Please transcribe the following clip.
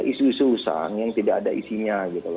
isu isu usang yang tidak ada isinya gitu loh